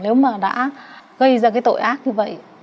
nếu mà đã gây ra cái tội ác như vậy